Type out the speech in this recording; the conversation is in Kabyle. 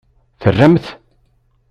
Tramt-t?